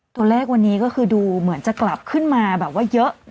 ตัวเลขวันนี้ก็คือดูเหมือนจะกลับขึ้นมาแบบว่าเยอะ